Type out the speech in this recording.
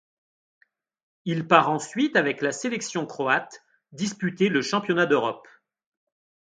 Il part ensuite avec la sélection croate disputer le Championnat d'Europe.